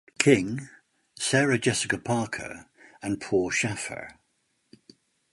King, Sarah Jessica Parker, and Paul Shaffer.